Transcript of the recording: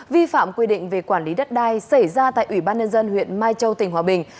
vi phạm quy định về quản lý đất đai xảy ra tại ủy ban nhân dân huyện mai châu tỉnh hòa bình